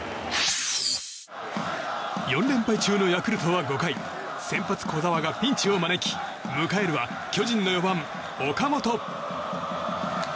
４連敗中のヤクルトは５回、先発の小澤がピンチを招き迎えるは巨人の４番、岡本。